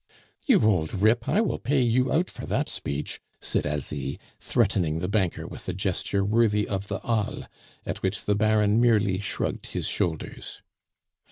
"You old rip! I will pay you out for that speech!" said Asie, threatening the banker with a gesture worthy of the Halle, at which the Baron merely shrugged his shoulders.